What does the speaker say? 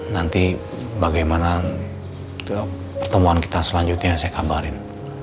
nanti bagaimana pertemuan kita selanjutnya saya kabarin